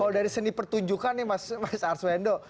kalau dari seni pertunjukan nih mas arswendo